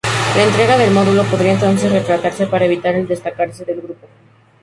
La entrega del módulo podría entonces retrasarse para evitar el destacarse del grupo.